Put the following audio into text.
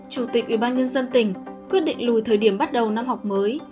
chủ tịch ubnd tỉnh quyết định lùi thời điểm bắt đầu năm học mới